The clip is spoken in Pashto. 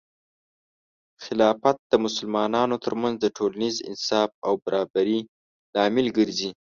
خلافت د مسلمانانو ترمنځ د ټولنیز انصاف او برابري لامل ګرځي.